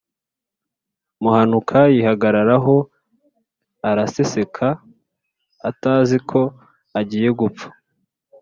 Muhanuka yihagararaho, arraseseka atazi ko agiye gupfa